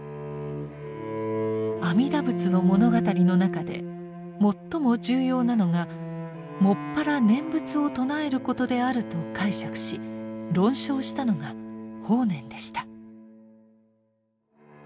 「阿弥陀仏の物語」の中で最も重要なのが専ら念仏を称えることであると解釈し論証したのが法然でした。